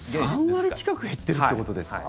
３割近く減っているってことですか。